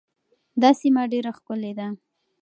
دا سیمه ډېره ښکلې ده.